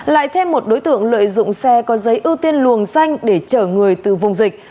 lại thêm một đối tượng lợi dụng xe có giấy ưu tiên luồng xanh để chở người từ vùng dịch